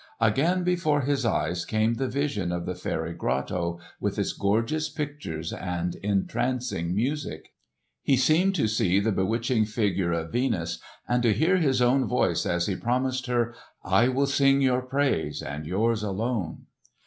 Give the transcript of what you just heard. Again before his eyes came the vision of the fairy grotto with its gorgeous pictures and entrancing music. He, seemed to see the bewitching figure of Venus and to hear his own voice as he promised her, "I will sing your praise and yours alone."